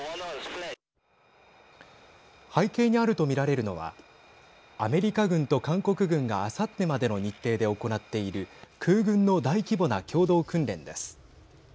背景にあると見られるのはアメリカ軍と韓国軍があさってまでの日程で行っている空軍の大規模な共同訓練です。